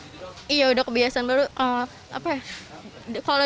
iya udah kebiasaan baru apa